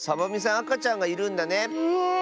あかちゃんがいるんだね。